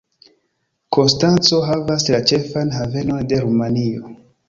Konstanco havas la ĉefan havenon de Rumanio.